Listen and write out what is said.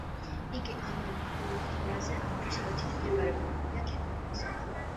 იგი ამავდროულად ყველაზე აღმოსავლეთით მდებარე კუნძულია გერმანიისა.